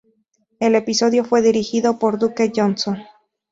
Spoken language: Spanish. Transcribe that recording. El episodio fue dirigido por Duke Johnson.